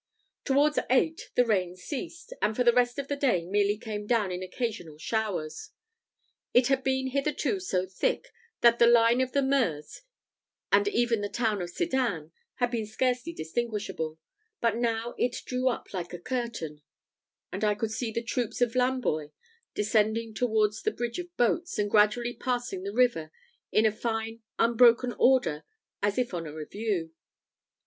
Towards eight the rain ceased; and for the rest of the day merely came down in occasional showers. It had been hitherto so thick that the line of the Meuse, and even the town of Sedan, had been scarcely distinguishable; but now it drew up like a curtain, and I could see the troops of Lamboy descending toward the bridge of boats, and gradually passing the river, in as fine unbroken order as if on a review.